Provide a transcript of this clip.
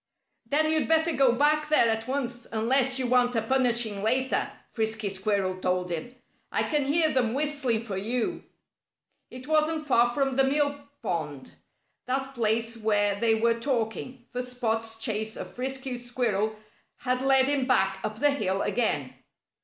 "Then you'd better go back there at once, unless you want a punishing later," Frisky Squirrel told him. "I can hear them whistling for you." It wasn't far from the mill pond that place where they were talking, for Spot's chase of Frisky Squirrel had led him back up the hill again.